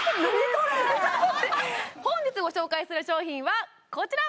本日ご紹介する商品はこちら！